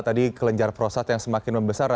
tadi kelenjar prosat yang semakin membesar